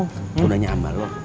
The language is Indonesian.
cuk aku tanya sama lo